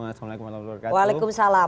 assalamualaikum wr wb